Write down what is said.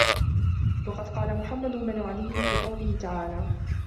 وَقَدْ قَالَ مُحَمَّدُ بْنُ عَلِيٍّ فِي قَوْله تَعَالَى